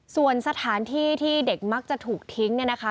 ส่วนสถานที่ที่เด็กมักจะถูกทิ้งเนี่ยนะคะ